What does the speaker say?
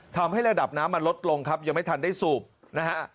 ทำให้ระดับน้ำมันลดลงครับยังไม่ทันได้สูบนะฮะ